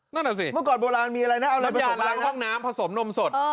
นั่นแหละสิเมื่อก่อนโบราณมีอะไรนะเอาน้ำยาล้างห้องน้ำผสมนมสด